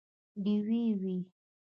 ډیوې وي